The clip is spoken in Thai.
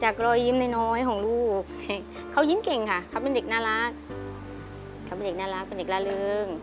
รอยยิ้มน้อยน้อยของลูกเขายิ้มเก่งค่ะเขาเป็นเด็กน่ารักเขาเป็นเด็กน่ารักเป็นเด็กละเริง